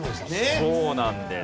そうなんです。